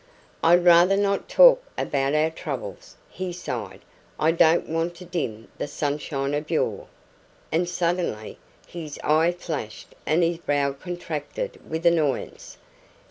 "I'd rather not talk about our troubles," he sighed. "I don't want to dim the sunshine of your " And suddenly his eye flashed and his brow contracted with annoyance.